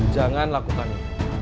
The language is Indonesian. jangan lakukan itu